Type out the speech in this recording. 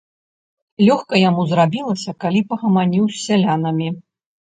Лёгка яму зрабілася, калі пагаманіў з сялянамі.